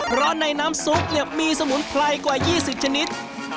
เพราะในน้ำซุปเนี่ยมีสมุนไพรกว่า๒๐ชนิด